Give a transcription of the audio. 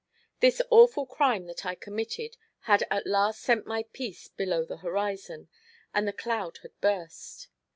This awful crime that I committed had at last sent my peace below the horizon, and the cloud had burst.